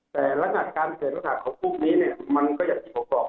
แต่รัฐการณ์เศรษฐศาสตร์ของพวกนี้มันก็อย่างที่ผมบอก